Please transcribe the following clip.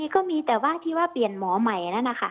ก็มีแต่ว่าที่ว่าเปลี่ยนหมอใหม่นั่นนะคะ